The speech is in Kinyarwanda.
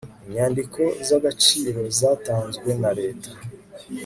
inyandiko z agaciro zatanzwe na leta